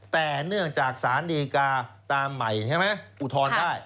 แต่เนื่องจากสารดีกาตามใหม่ใช่ไหมอุทธรณ์ได้